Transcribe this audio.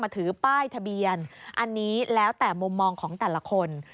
ถือป้ายทะเบียนอันนี้แล้วแต่มุมมองของแต่ละคน